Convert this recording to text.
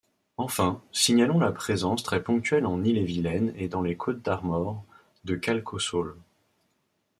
Enfin, signalons la présence très ponctuelle en Ille-et-Vilaine et dans les Côtes-d'Armor de calcosols.